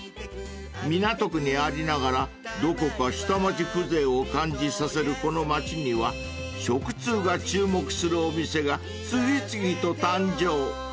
［港区にありながらどこか下町風情を感じさせるこの街には食通が注目するお店が次々と誕生］